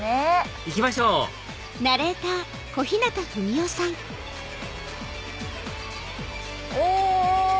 行きましょうお！